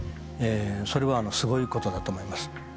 それはすごいことだと思います。